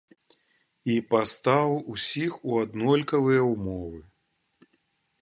І пастаў усіх у аднолькавыя ўмовы.